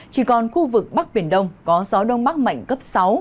chỉ còn khu vực bắc biển đông có gió đông bắc mạnh cấp sáu